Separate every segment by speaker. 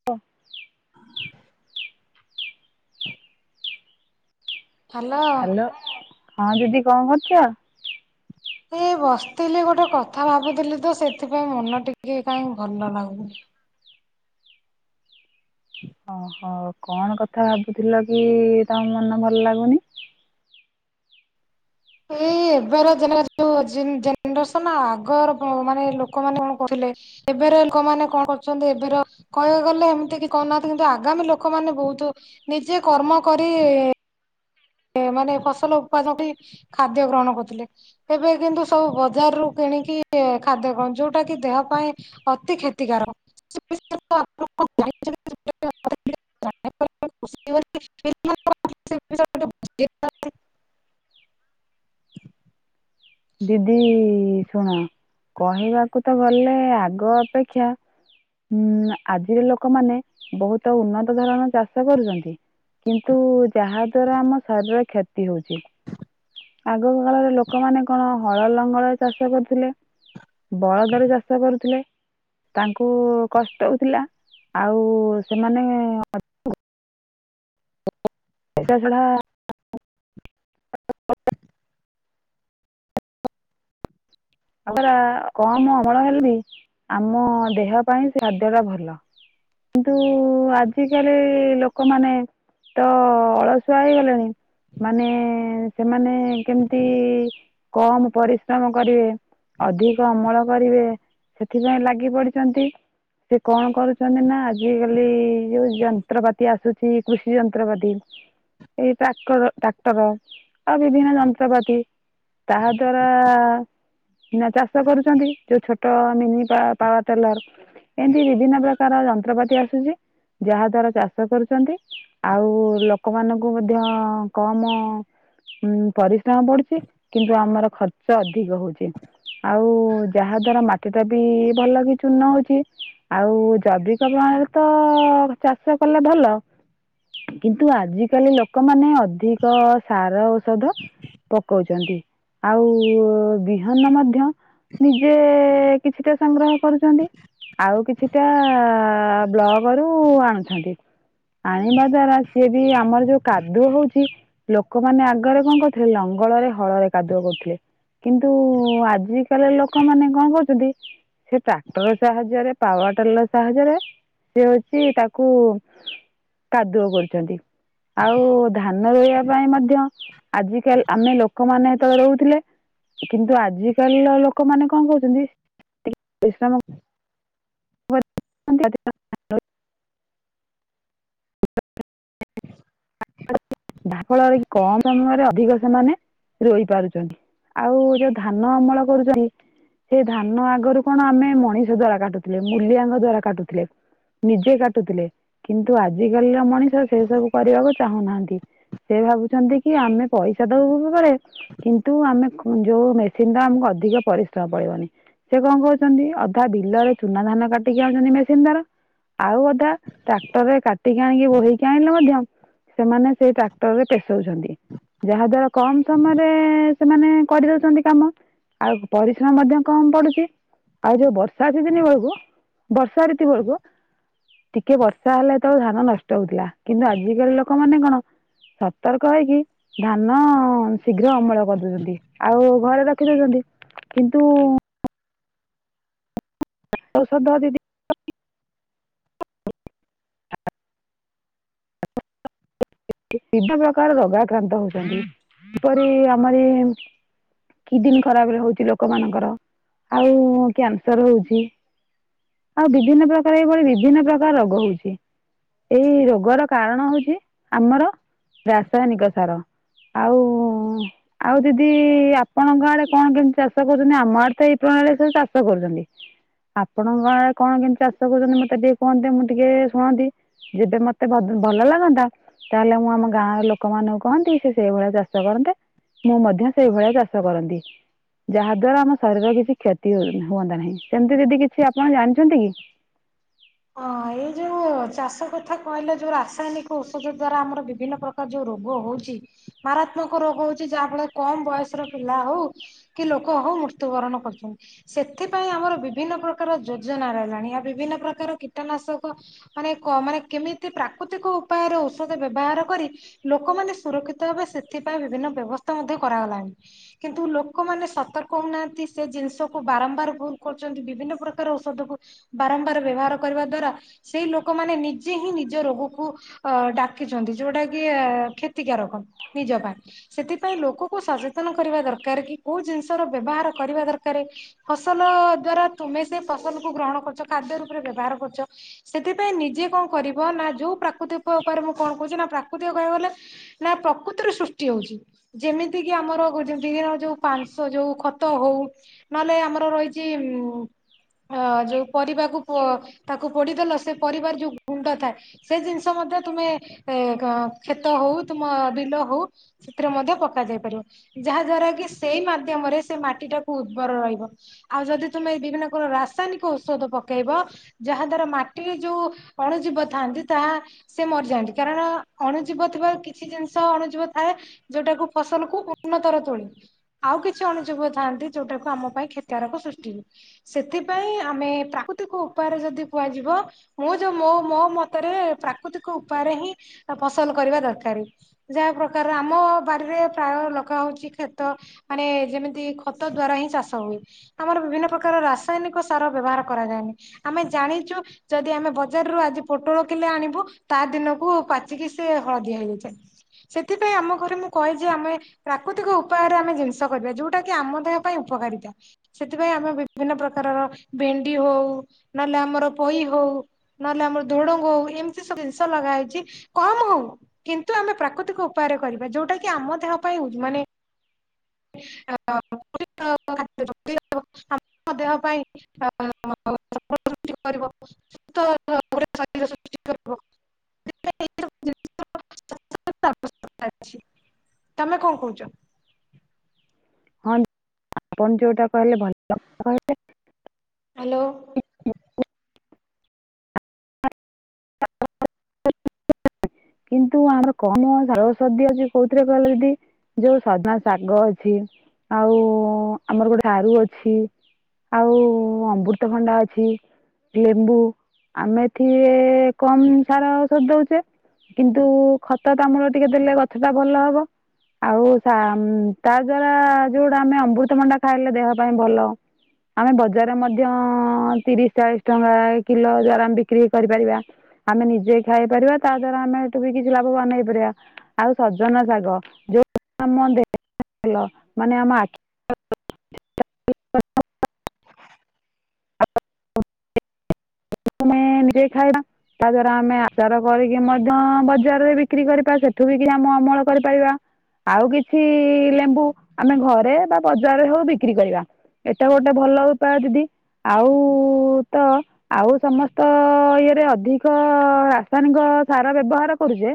Speaker 1: [inaudible]
Speaker 2: Hello.
Speaker 1: Hello ହଁ ଦିଦି କଣ କରୁଛ।
Speaker 2: ଏ ବସିଥିଲି ଗୋଟେ କଥା ଭାବୁଥିଲି ତ ସେଥିପାଇଁ ମନ ଟିକେ କାହିଁ ଭଲ ଲାଗୁନି।
Speaker 1: ଓହୋ କଣ କଥା ଭାବୁଥିଲ କି ତମ ମନ ଭଲ ଲାଗୁନି।
Speaker 2: ଏଇ ଏବେର ଜନ [unintelligible] ହଁ ଝିନ୍ ଜେନେରେସନ ଆଗର ମାନେ ଲୋକମାନେ କଣ କହୁଥିଲେ। ଏବେର ଲୋକମାନେ କଣ କରୁଛନ୍ତି ଏବେର କହିବାକୁ ଗଲେ ଏମିତି କି କଉନାହାନ୍ତି କିନ୍ତୁ ଆଗାମୀ ଲୋକମାନେ ବହୁତ ନିଜେ କର୍ମ କରି ମାନେ ଫସଲ ଉତ୍ପାଦନ କରି ଖାଦ୍ୟ ଗ୍ରହଣ କରୁଥିଲେ। ଏବେ କିନ୍ତୁ ସବୁ ବଜାର ରୁ କିଣିକି ଖାଦ୍ୟ କଣ ଯୋଉଟା କି ଦେହ ପାଇଁ ଅତି କ୍ଷତିକାରକ [unintelligible] [unintelligible] [unintelligible]
Speaker 1: ଦିଦି ଶୁଣ କହିବାକୁ ତ ଗଲେ ଆଗ ଅପେକ୍ଷା ହୁଁ ଆଜିର ଲୋକମାନେ ବହୁତ ଉନ୍ନତ ଧରଣର ଚାଷ କରୁଛନ୍ତି। କିନ୍ତୁ ଯାହାଦ୍ୱାରା ଆମ ଶରୀରରେ କ୍ଷତି ହେଉଛି। ଆଗ କାଳରେ ଲୋକମାନେ କଣ ହଳ ଲଙ୍ଗଳ ରେ ଚାଷ କରୁଥିଲେ।। ବଳଦ ରେ ଚାଷ କରୁଥିଲେ। ତାଙ୍କୁ କଷ୍ଟ ହଉଥିଲା ଆଉ ସେମାନେ ସେଇଟା [unintelligible] ହଁ [unintelligible] [unintelligible] କମ ଅମଳ ହେଲେ ବି ଆମ ଦେହ ପାଇଁ ସେ ଖାଦ୍ୟ ଟା ଭଲ। କିନ୍ତୁ ଆଜିକାଲି ଲୋକମାନେ ତ ଅଳସୁଆ ହେଇଗଲେଣି, ମାନେ ସେମାନେ କେମିତି କମ ପରିଶ୍ରମ କରିବେ। ଅଧିକ ଅମଳ କରିବେ ସେଥିପାଇଁ ଲାଗି ପଡିଛନ୍ତି। ସେ କଣ କରୁଛନ୍ତି ନା ଆଜି କାଲି ଯୋଉ ଯନ୍ତ୍ରପାତି ଆସୁଛି କୃଷି ଯନ୍ତ୍ରପାତି ଏଇ ଟ୍ରାକର ଟ୍ରାକ୍ଟର ଆଉ ବିଭିନ୍ନ ଯନ୍ତ୍ରପାତି। ତାହା ଦ୍ଵାରା ନା ଚାଷ କରୁଛନ୍ତି ଯୋଉ ଛୋଟ ମିନି ପାୱାର ଟେଲର ଏମିତି ବିଭିନ୍ନ ପ୍ରକାର ଯନ୍ତ୍ରପାତି ଆସୁଛି ଯାହା ଦ୍ବାରା ଚାଷ କରୁଛନ୍ତି। ଆଉ ଲୋକମାନଙ୍କୁ ମଧ୍ୟ କମ ଉଁ ପରିଶ୍ରମ ପଡୁଛି କିନ୍ତୁ ଆମର ଖର୍ଚ୍ଚ ଅଧିକ ହଉଛି। ଆଉ ଯାହା ଦ୍ଵାରା ମାଟି ଟା ବି ଭଲ କି ଚୂର୍ଣ୍ଣ ହଉଛି। ଆଉ ଜୈବିକ [unintelligible] ତ ଚାଷ କଲେ ଭଲ। କିନ୍ତୁ ଆଜିକାଲି ଲୋକମାନେ ଅଧିକ ସାର ଔଷଧ ପକଉଛନ୍ତି। ଆଉ ବି ଧାନ ମଧ୍ୟ ନିଜେ କିଛିଟା ସଂଗ୍ରହ କରୁଛନ୍ତି। ଆଉ କିଛିଟା ବ୍ଲଗ ରୁ ଆଣୁଛନ୍ତି। ଆଣିବା ଦ୍ଵାରା ସିଏ ବି ଆମର ଯୋଉ କାଦୁଅ ହଉଛି ଲୋକମାନେ ଆଗରେ କଣ କରୁଥିଲେ, ଲଙ୍ଗଳରେ ହଳରେ କାଦୁଅ କରୁଥିଲେ। କିନ୍ତୁ ଆଜିକାଲି ଲୋକମାନେ କଣ କରୁଛନ୍ତି ସେ ଟ୍ରାକ୍ଟର ସାହାଯ୍ୟରେ, ପାୱାର ଟେଲର ସାହାଯ୍ୟରେ ସେ ହଉଛି ତାକୁ କାଦୁଅ କରୁଛନ୍ତି। ଆଉ ଧାନ ରୋଇବା ପାଇଁ ମଧ୍ୟ ଆଜିକାଲି ଆମେ ଲୋକମାନେ ଯେତେବେଳେ ରୋଉଥିଲେ। କିନ୍ତୁ ଆଜିକାଲିର ଲୋକମାନେ କଣ କରୁଛନ୍ତି କିସମ [unintelligible] ଯାହା ଫଳରେ କି କମ ସମୟରେ ଅଧିକ ସେମାନେ ରୋଇ ପାରୁଛନ୍ତି। ଆଉ ଯୋଉ ଧାନ ଅମଳ କରୁଛନ୍ତି ସେ ଧାନ ଆଗରୁ କଣ ଆମେ ମଣିଷ ଦ୍ଵାରା କାଟୁଥିଲେ ମୂଲିଆଙ୍କ ଦ୍ଵାରା କାଟୁଥିଲେ। ନିଜେ କାଟୁଥିଲେ କିନ୍ତୁ ଆଜିକାଲିର ମଣିଷ ସେ ସବୁ କରିବାକୁ ଚାହୁଁନାହାନ୍ତି। ସେ ଭାବୁଛନ୍ତି କି ଆମେ ପଇସା ଦବୁ ବଳେ କିନ୍ତୁ ଆମେ ଯୋଉ ମେସିନ ତ ଆମକୁ ଅଧିକ ପରିଶ୍ରମ ପଳିବନି। ସେ କଣ କରୁଛନ୍ତି ଅଧା ବିଲରେ ଚୁନା ଧାନ କାଟିକି ଆଣୁଛନ୍ତି ମେସିନ ଦ୍ୱାରା। ଆଉ ଅଧା ଟ୍ରାକ୍ଟର ରେ କାଟିକି ଆଣିକି ଭୋଇକି ଆଣିଲେ ମଧ୍ୟ ସେମାନେ ସେଇ ଟ୍ରାକ୍ଟର ରେ ପେଷଉଚନ୍ତି। ଯାହା ଦ୍ଵାରା କମ ସମୟରେ ସେମାନେ କରିଦଉଚନ୍ତି କାମ। ଆଉ ପରିଶ୍ରମ ମଧ୍ୟ କମ ପଡ଼ୁଚି ଆଉ ଯୋଉ ବର୍ଷା ସିଜିନି ବଳୁକୁ ବର୍ଷା ଋତି ବଳୁକୁ ଟିକେ ବର୍ଷା ହେଲେ ତ ଧାନ ନଷ୍ଟ ହଉଥିଲା କିନ୍ତୁ ଆଜିିକାଲି ଲୋ ଲୋକ ମାନେ କଣ ସତର୍କ ହେଇକି ଧାନ ଅଁ ଅଁ ଶୀଘ୍ର ଅମଳ କରିଦଉଚନ୍ତି ଆଉ ଘରେ ରଖି ଦଉଚନ୍ତି କିନ୍ତୁ ଔଷଧ ଦିଦି ହଁ ହ ବିଭି ପ୍ରକାରର ରଗା ଆକ୍ରାନ୍ତ ହଉଚନ୍ତି କିପରି ଆମରି କିଡ଼ନୀ ଖରାପରେ ହେଉଚି ଲୋକମାନଙ୍କର ଆଉ କ୍ୟାନସର ହଉଚି। ଆଉ ବିଭିନ୍ନ ପ୍ରକାର ଏଇଭଳି ବିଭିନ୍ନ ପ୍ରକାର ରୋଗ ହଉଚି ଏଇ ରୋଗର କାରଣ ହଉଚି ଆମର ରାସାୟନିକ ସାର ଆଉ ଉ ଉ ଉ ଆଉ ଦିଦି ଆପଣଙ୍କ ଗାଡେ କଣ କେମିତି ଚାଷ କରୁଛନ୍ତି ଆମଡ ତ ଏଇ ପ୍ରଣାଳୀରେ ସେ ଚାଷ କରୁଛନ୍ତି ଆପଣଙ୍କ ଗାଁରେ କଣ କେମିତି ଚାଷ କରୁଚନ୍ତି ମତେ ଟିକେ କୁହନ୍ତେ ମୁଁ ଟିକେ ଏ ଏ ଶୁଣନ୍ତି। ଯେବେ ମତେ ଭଦ୍ ଭଲ ଲାଗନ୍ତା ତାହେଲେ ମୁଁ ଆମ ଗାଁ ର ଲୋକମାନଙ୍କୁ କହନ୍ତି ସେ ସେଇଭଳିଆ ଚାଷ କରନ୍ତେ। ମୁଁ ମଧ୍ୟ ସେଇଭଳିଆ ଚାଷ କରନ୍ତି। ଯାହା ଦ୍ଵାରା ଆମ ଶରୀରର କିଛି କ୍ଷତି ହୁଅ ହୁଅନ୍ତା ନାହିଁ ସେମତି ଦିଦି କିଛି ଆପଣ ଜାଣିଚନ୍ତି କି?
Speaker 2: ହଁ ଏଇ ଯୋଉ ଚାଷ କଥା କହିଲେ ଯୋଉ ରାସାୟନିକ ଔଷଧ ଦ୍ଵାରା ଆମର ବିଭିନ୍ନ ପ୍ର ଯୋଉ ରୋଗ ହଉଚି ମାରାତ୍ମକ ରୋଗ ହଉଚି ଯାହା ଫଳରେ କମ ବୟସର ପିଲା ହଉ କି ଲୋକ ହଉ ମୃତ୍ୟୁବରଣ କରୁଚନ୍ତି। ସେଥିପାଇଁ ଆମର ବିଭିନ୍ନ ପ୍ରକାର ଯୋଜନା ରହିଲାଣି ଆଉ ବିଭିନ୍ନ ପ୍ରକାର କୀଟନାଶକ ମାନେ କ ମାନେ କେମିତି ପ୍ରାକୃତିକ ଉପାୟରେ ଔଷଧ ବ୍ୟବହାର କରି ଲୋକମାନେ ସୁରକ୍ଷିତ ହେବେ ସେଥିପାଇଁ ବିଭିନ୍ନ ବ୍ୟବସ୍ଥା ମଧ୍ୟ କରାଗଲାଣି। କିନ୍ତୁ ଲୋକମାନେ ସତର୍କ ହଉନାହାନ୍ତି ସେ ଜିନିଷକୁ ବାରମ୍ବାର ଭୁଲ କରୁଚନ୍ତି ବିଭିନ୍ନ ପ୍ରକାର ଔଷଧକୁ ବାରମ୍ବାର ବ୍ୟବହାର କରିବା ଦ୍ଵାରା ସେଇ ଲୋକମାନେ ନିଜେ ହିଁ ନିଜ ରୋଗକୁ ଅ ଡାକିଚନ୍ତି ଯୋଉଟା କି ଆ ଆ କ୍ଷତିକାରକ ନିଜ ପାଇଁ। ସେଥିପାଇଁ ଲୋକ କୁ ସଚେତନ କରିବା ଦରକାର କି କୋଉ ଜିନିଷ ର ବ୍ୟବହାର କରିବା ଦରକାରେ ଫସଲ ଦ୍ଵାରା ତୁମେ ସେ ଫସଲକୁୁ ଗ୍ରହଣ କରୁଚ ଖାଦ୍ୟ ରୂପରେ ବ୍ୟବହାର କରୁଚ। ସେଥିପାଇଁ ନିଜେ କଣ କରିବ ନା ଯୋଉ ପ୍ରାକୃତିକ ଉପାୟରେ ମୁଁ କଣ କହୁଚି ନା ପ୍ରାକୃତିକ କହିବାକୁ ଗଲେ ନା ପ୍ରକୃତିରୁ ସୃଷ୍ଟି ହଉଚି। ଯେମିତି କିି ଆମର କହୁଚନ୍ତି କି ଯୋଉ ପାଂସ ଯୋଉ ଖତ ହଉ ନହେଲେ ଆମର ରହିଚି ଉଁ ଅ ଯୋଉ ପରିବାକୁ ପୁଅ ତାକୁ ପୋଡ଼ିଦେଲ ସେ ପରିବାର ଯୋଉ ଗୁଣ୍ଡ ଥାଏ ସେ ଜିନିଷ ମଧ୍ୟ ତୁମେ ଏ ଖ କ୍ଷେତ ହଉ ତୁମ ବିଲ ହଉ ସେଥିରେ ମଧ୍ୟ ପକାଯାଇ ପାରିବ ଯାହା ଦ୍ଵାରା କି ସେଇ ମାଧ୍ୟମରେ ସେ ମାଟି ଟାକୁ ଉର୍ବର ରହିବ। ଆଉ ଯଦି ତୁମେ ବିଭିନ୍ନ କର ରାସାୟନିକ ଔଷଧ ପକେଇବ ଯାହା ଦ୍ଵାରା ମାଟିରେ ଯୋଉ ଅଣୁଜୀବ ଥାଆନ୍ତି ତାହା ସେ ମରିଯାଆନ୍ତି କାରଣ ଅଣୁଜୀବ ଥିବା କିଛି ଜିନିଷ ଅଣୁଜୀବ ଥାଏ। ଯୋଉଟାକୁ ଫସଲକୁୁ ଉନ୍ନତର ତୋଳି ଆଉ କିଛି ଅଣୁଜୀବ ଥାଆନ୍ତି ଯୋଉଟାକୁ ଆମ ପାଇଁ କ୍ଷତକାରକ ସୃଷ୍ଟି ହୁଏ। ସେଥିପାଇଁ ଆମେ ପ୍ରାକୃତିକ ଉପାୟରେ ଯଦି କୁହାଯିବ ମୁଁ ଯୋଉ ମୋ ମୋ ମତରେ ପ୍ରାକୃତିକ ଉପାୟରେ ହିଁ ଫସଲ କରିବା ଦରକାରେ। ଯାହା ପ୍ରକାରର ଆମ ବାଡ଼ିରେ ପ୍ରାୟ ଲଗା ହଉଚି କ୍ଷେତ ମାନେ ଯେମିତି ଖତ ଦ୍ଵାରା ହିଁ ଚାଷ ହୁଏ। ଆମର ବିଭିନ୍ନ ପ୍ରକାର ରାସାୟନିକ ସାର ବ୍ୟବହାର କରାଯାଏନି। ଆମେ ଜାଣିଛୁ ଯଦି ଆମେ ବଜାରରୁ ଆଜି ପୋଟଳ କିିଲେ ଆଣିବୁ ତା ଦିନକୁ ପାଚିକି ସେ ହଳଦିଆ ହେଇଯାଇଥାଏ। ସେଥିପାଇଁ ଆମ ଘରେ ମୁଁ କହେ ଯେ ଆମେ ପ୍ରାକୃତିକ ଉପାୟରେ ଆମେ ଜିନିଷ କରିବା ଯୋଉଟା କି ଆମ ଦେହ ପାଇଁ ଉପକାରିତା। ସେଥିପାଇଁ ଆମେ ବିଭିନ୍ନ ପ୍ରକାରର ଭେଣ୍ଡି ହଉ ନହେଲେ ଆମର ପୋଇ ହଉ ନହେଲେ ଆମର ଧୁଡଙ୍ଗ ହଉ ଏମିତି ସବୁ ଜିନିଷ ଲଗା ହେଇଛି କମ ହଉ କିନ୍ତୁ ଆମେ ପ୍ରାକୃତିକ ଉପାୟରେ କରିବା ଯୋଉଟା କି ଆମ ଦେହ ପାଇଁ ମାନେ [inaudible] ଏବଂ ଆମ ଦେହ ପାଇଁ [inaudible] [inaudible] [inaudible] ତମେ କଣ କହୁଛ?
Speaker 1: ହଁ [inaudible] ଆପଣ ଯୋଉଟା କହିଲେ ଭଲ କଥା କହିଲେ।
Speaker 2: ହାଲୋ।
Speaker 1: [inaudible] କିନ୍ତୁ ଆମର [inaudible] ଅଛି କୋଉଥିରେ କହିଲ ଦିଦି? ଯୋଉ ସଜନା ଶାଗ ଅଛି ଆଉ ଆମର ଗୋଟେ ସାରୁ ଅଛି। ଆଉ ଅମୃତଭଣ୍ଡା ଅଛି ଲେମ୍ବୁ ଆମେ ଏଥିରେ କମ୍ ସାର ଔଷଧ ଦଉଛେ କିନ୍ତୁ ଖତଟା ଆମର ଟିକେ ଦେଲେ ଗଛଟା ଭଲ ହବ। ଆଉ ତା ଦ୍ଵାରା ଯୋଉଟା ଆମେ ଅମୃତଭଣ୍ଡା ଖାଇଲେ ଦେହ ପାଇଁ ଭଲ। ଆମେ ବଜାରରେ ମଧ୍ୟ ତିରିଶ ଚାଳିଶ ଟଙ୍କା କିଲୋ ଦ୍ଵାରା ଆମେ ବିକ୍ରି ବି କରିପାରିବା। ଆମେ ନିଜେ ଖାଇପାରିବା ତା ଦ୍ଵାରା ଆମେ ଏଠୁ ବି କିଛି ଲାଭବାନ ହେଇପାରିବା। ଆଉ ସଜନା ଶାଗ ଯୋଉଟାକି ଆମ ଦେହ ପାଇଁ ଭଲ ମାନେ ଆମ ଆଖି [inaudible] [inaudible] ଆମେ ନିଜେ ଖାଇବା। ତା ଦ୍ଵାରା ଆମେ ଆଚାର କରିକି ମଧ୍ୟ ବଜାରରେ ବିକ୍ରି କରିବା, ସେଠୁ ବିକି ଆମେ ଅମଳ କରିପାରିବା। ଆଉ କିଛି ଲେମ୍ବୁ ଆମେ ଘରେ ବା ବଜାରରେ ହଉ ବିକ୍ରି କରିବା। ଏଟା ଗୋଟେ ଭଲ ଉପାୟ ଦିଦି। ଆଉ ତ ଆଉ ସମସ୍ତ ଇଏରେ ଅଧିକ ରାସାୟନିକ ସାର ବ୍ୟବହାର କରୁଛେ।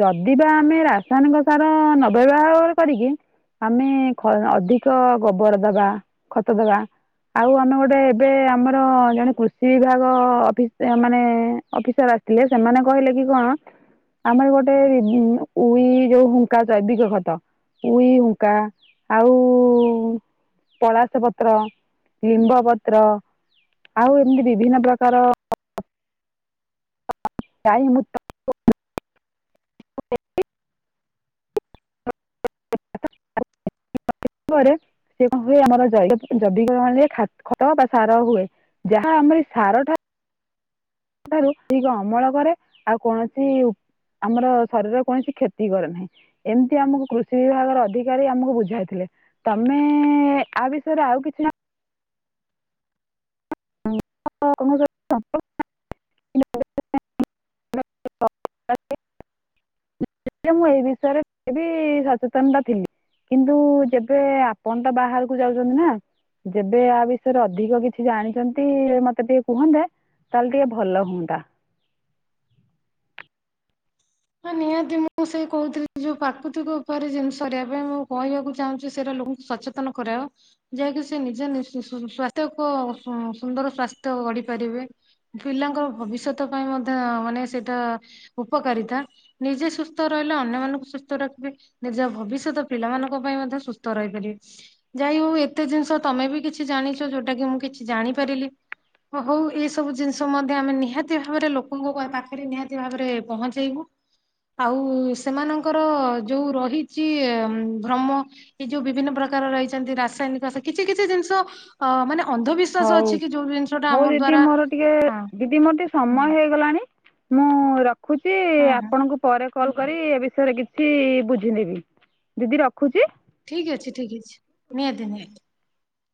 Speaker 1: ଯଦିବା ଆମେ ରାସାୟନିକ ସାର ନବ୍ୟବହାର କରିକି ଆମେ ଅଧିକ ଗୋବର ଦେବା ଖତ ଦେବା। ଆଉ ଆମେ ଗୋଟେ ଏବେ ଆମର ଜଣେ କୃଷି ବିଭାଗ ଅଫିସରେ ମାନେ ଅଫିସର ଆସିଥିଲେ ସେମାନେ କହିଲେ କି କଣ ଆମର ଗୋଟେ ଉଇ ଯୋଉ ହୁଙ୍କା ଥାଏ [unintelligible] ଖତ। ଉଇ ହୁଙ୍କା ଆଉ ପଳାସ ପତ୍ର, ଲିମ୍ବ ପତ୍ର ଆଉ ଏମିତି ବିଭିନ୍ନ ପ୍ରକାର ଗାଈ ମୁଁ [inaudible] [inaudible] ରେ। ସେ କଣ ହୁଏ ଆମର ଜୈବିକ [inaudible] ଖତ ବା ସାର ହୁଏ। ଯାହା ଆମର ସାରଠା ଠାରୁ ଠିକ୍ ଅମଳ କରେ ଆଉ କୌଣସି ଆମର ଶରୀର କୌଣସି କ୍ଷତି କରେ ନାହିଁ। ଏମିତି ଆମକୁ କୃଷି ବିଭାଗର ଅଧିକାରୀ ଆମକୁ ବୁଝାଇଥିଲେ। ତମେ ଆ ବିଷୟରେ ଆଉ କିଛି ନା ହଁ ମୁଁ [unintelligible] ଜେଖିଆ ମୁଁ ଏଇ ବିଷୟରେ କହି ବି ସଚେତନତା ଥିଲି। କିନ୍ତୁ ଯେବେ ଆପଣ ତ ବାହାରକୁ ଯାଉଛନ୍ତି ନା? ଯେବେ ଆ ବିଷୟରେ ଅଧିକ କିଛି ଜାଣିଛନ୍ତି ମତେ ଟିକେ କୁହନ୍ତେ ତାହେଲେ ଟିକେ ଭଲ ହୁଅନ୍ତା।
Speaker 2: ହଁ ନିହାତି ମୁଁ ସେଇ କହୁଥିଲି ଯୋଉ ପ୍ରାକୃତିକ ଉପାୟରେ ଜିନିଷ କରିବା ପାଇଁ ମୁଁ କହିବାକୁ ଚାହୁଁଛି ସେଇଟା ଲୋକଙ୍କୁ ସଚେତ କନ କରାଅ। ଯାହାକି ସେ ନିଜେ ସ୍ଵାସ୍ଥ୍ୟକୁ ସୁନ୍ଦର ସ୍ଵାସ୍ଥ୍ୟ ଗଢି ପାରିବେ। ପିଲାଙ୍କ ଭବିଷ୍ୟତ ପାଇଁ ମଧ୍ୟ ମାନେ ସେଇଟା ଉପକାରିତା। ନିଜେ ସୁସ୍ଥ ରହିଲେ ଅନ୍ୟମାନଙ୍କୁ ସୁସ୍ଥ ରଖିବେ। ନିଜ ଭବିଷ୍ୟତ ପିଲାମାନଙ୍କ ପାଇଁ ମଧ୍ୟ ସୁସ୍ଥ ରହିପାରିବେ। ଯାଇ ହଉ ଏତେ ଜିନିଷ ତମେ ବି କିଛି ଜାଣିଛ ଯୋଉଟା କି ମୁଁ କିଛି ଜାଣିପାରିଲି। ହଉ ଏଇ ସବୁ ଜିନିଷ ମଧ୍ୟ ଆମେ ନିହାତି ଭାବରେ ଲୋକଙ୍କ ପାଖରେ ନିହାତି ଭାବରେ ପହଞ୍ଚେଇବୁ। ଆଉ ସେମାନଙ୍କର ଯୋଉ ରହିଛି ଭ୍ରମ ଏଇ ଯୋଉ ବିଭିନ୍ନ ପ୍ରକାର ରହିଛନ୍ତି ରାସାୟନିକ କିଛି କିଛି ଜିନିଷ ଅ ମାନେ ଅନ୍ଧବି
Speaker 1: ହଉ ମୁଁ ଦିଦି ମୋର ଟିକେ
Speaker 2: ହଁ
Speaker 1: ଦିଦି ମୋର ଟିକେ ସମୟ ହେଇଗଲାଣି ମୁଁ ରଖୁଛି
Speaker 2: ହଁ ହଁ
Speaker 1: ଆପଣଙ୍କୁ ପରେ କଲ୍ କରି ଏ ବିଷୟରେ କିଛି ବୁଝିିନେବି। ଦିଦି ରଖୁଛି?
Speaker 2: ଠିକ୍ ଅଛି ଠିକ୍ ଅଛି ନିହାତି ନିହାତି।